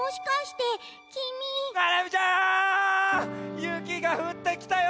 ゆきがふってきたよ！